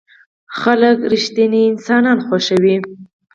خلک رښتيني انسانان خوښوي.